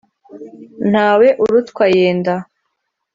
Ntawe urutwa yenda.